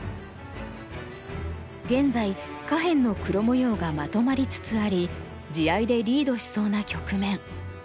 現在下辺の黒模様がまとまりつつあり地合いでリードしそうな局面。